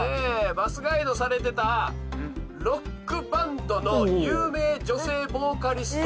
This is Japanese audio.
バスガイドされてたロックバンドの有名女性ボーカリスト。